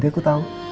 tidak aku tau